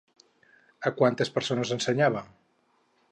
A quantes persones ensenyava?